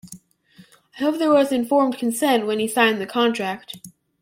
I hope there was informed consent when he signed the contract.